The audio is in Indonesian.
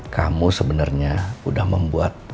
kamu sebenernya udah membuat